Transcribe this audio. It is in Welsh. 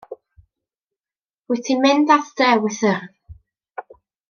Rwyt ti'n mynd at dy ewythr.